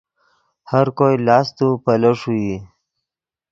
ہر کوئی لاست و پیلو ݰوئی